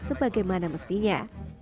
sebagai mana mestinya